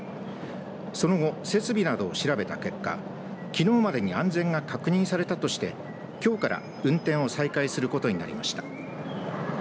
その後、設備などを調べた結果きのうまでに安全が確認されたとしてきょうから運転を再開することになりました。